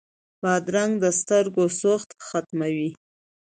بادرنګ د سترګو سوخت ختموي.